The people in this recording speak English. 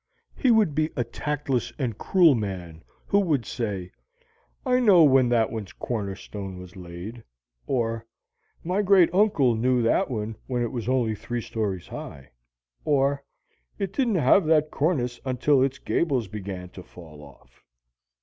He would be a tactless and cruel man who would say, "I know when that one's corner stone was laid." Or, "My great uncle knew that one when it was only three stories high." Or, "It didn't have that cornice until its gables began to fall off."